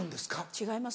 違います